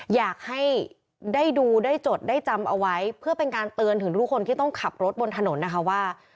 อยากให้ได้ดูได้จดได้จำเอาไว้เพื่อเป็นการเตือนถึงทุกคนที่ต้องขับรถบนถนนนะคะว่า